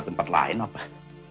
jangan hull drizzy